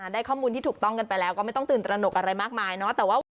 ได้ข้อมูลที่ถูกต้องกันไปแล้วก็ไม่ต้องตื่นตระหนกอะไรมากมายเนาะ